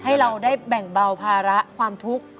ให้เราได้แบ่งเบาภาระความทุกข์